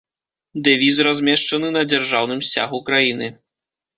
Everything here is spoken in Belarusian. Дэвіз размешчаны на дзяржаўным сцягу краіны.